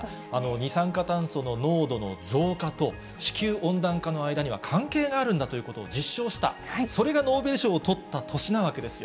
二酸化炭素の濃度の増加と、地球温暖化の間には関係があるんだということを実証した、それがノーベル賞を取った年なわけですよ。